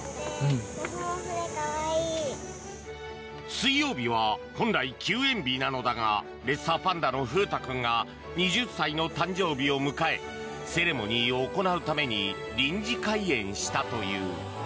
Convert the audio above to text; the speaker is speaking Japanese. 水曜日は本来、休園日なのだがレッサーパンダの風太君が２０歳の誕生日を迎えセレモニーを行うために臨時開園したという。